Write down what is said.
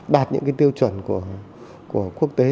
đạt những cái tiêu chuẩn của quốc tế